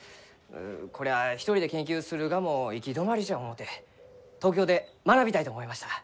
こりゃあ一人で研究するがも行き止まりじゃ思うて東京で学びたいと思いました。